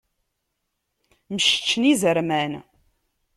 Mceččen izerman.